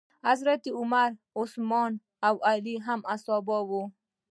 حضرت عمر، عثمان او علی هم صحابه وو.